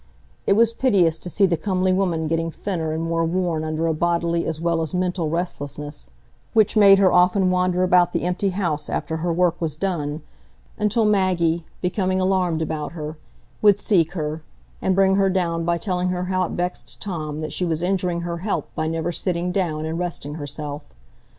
It was piteous to see the comely woman getting thinner and more worn under a bodily as well as mental restlessness, which made her often wander about the empty house after her work was done, until Maggie, becoming alarmed about her, would seek her, and bring her down by telling her how it vexed Tom that she was injuring her health by never sitting down and resting herself.